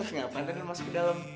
terus ngapain tadi lo masuk ke dalam